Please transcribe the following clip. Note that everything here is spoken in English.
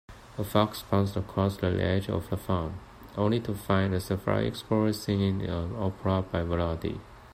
The fox pounced across the edge of the farm, only to find a safari explorer singing an opera by Vivaldi.